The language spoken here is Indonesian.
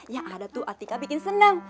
yang ada tuh atika bikin senang